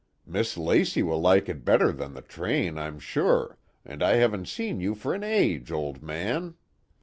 "Miss Lacy will like it better than the train, I'm sure, and I haven't seen you for an age, old man."